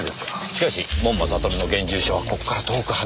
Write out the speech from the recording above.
しかし門馬悟の現住所はここから遠く離れた下町です。